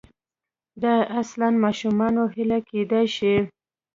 دا اصلاً ماشومانه هیله کېدای شي.